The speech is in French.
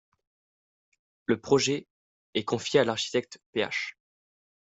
Le projet est confié à l'architecte Ph.